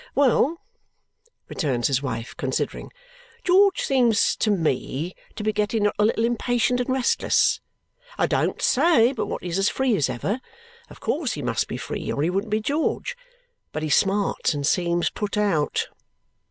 "Well," returns his wife, considering, "George seems to me to be getting not a little impatient and restless. I don't say but what he's as free as ever. Of course he must be free or he wouldn't be George, but he smarts and seems put out."